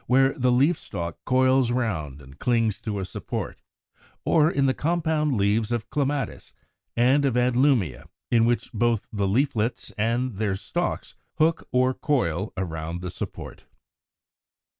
where the leaf stalk coils round and clings to a support; or in the compound leaves of Clematis and of Adlumia, in which both the leaflets and their stalks hook or coil around the support.